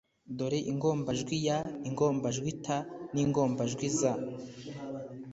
dore ingombajwi y, ingombajwi t n’ingombajwi z